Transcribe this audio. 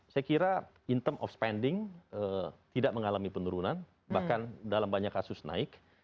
saya kira in term of spending tidak mengalami penurunan bahkan dalam banyak kasus naik